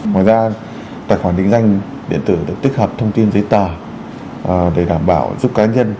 ngoài ra tài khoản định danh điện tử được tích hợp thông tin giấy tờ để đảm bảo giúp cá nhân